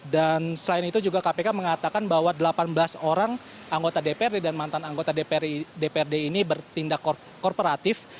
dan selain itu juga kpk mengatakan bahwa delapan belas orang anggota dprd dan mantan anggota dprd ini bertindak korporatif